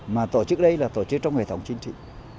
mà tổ chức đây là tổ chức trong hệ thống chính trị